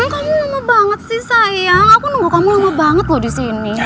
kamu lama banget sih sayang aku nunggu kamu lama banget loh di sini